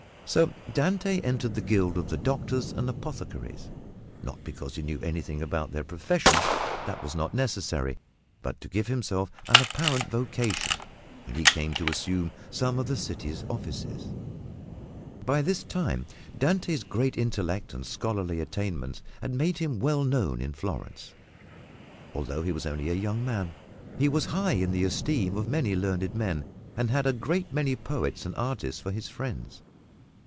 So Dante entered the guild of the Doctors and Apothecaries not because he knew anything about their professions that was not necessary but to give himself an apparent vocation when he came to assume some one of the city offices. By this time Dante's great intellect and scholarly attainments had made him well known in Florence, although he was only a young man. He was high in the esteem of many learned men and had a great many poets and artists for his friends.